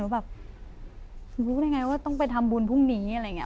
แบบรู้ได้ไงว่าต้องไปทำบุญพรุ่งนี้อะไรอย่างนี้